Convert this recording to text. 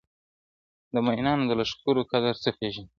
د مینانو د لښکرو قدر څه پیژني-